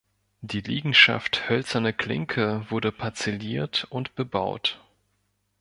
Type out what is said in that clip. Die Liegenschaft Hölzerne Klinke wurde parzelliert und bebaut.